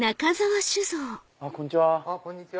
こんにちは。